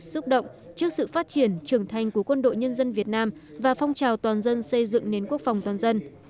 xúc động trước sự phát triển trưởng thành của quân đội nhân dân việt nam và phong trào toàn dân xây dựng nến quốc phòng toàn dân